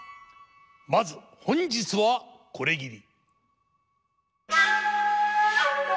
まず本日はこれぎり。